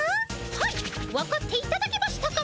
はいわかっていただけましたか？